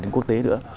đến quốc tế nữa